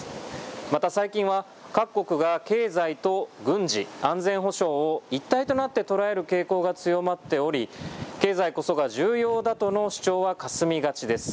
また最近は各国が経済と軍事、安全保障を一体となって捉える傾向が強まっており経済こそが重要だとの主張はかすみがちです。